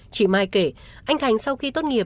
chị mai kể anh thành sau khi tốt nghiệp